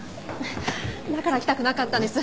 だから来たくなかったんです。